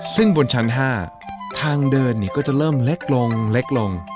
ซึ่งบนชั้น๕ทางเดินก็จะเริ่มเล็กลงเล็กลง